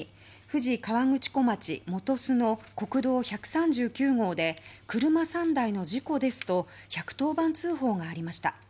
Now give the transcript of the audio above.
富士河口湖町本栖の国道１３９号で車３台の事故ですと１１０番通報がありました。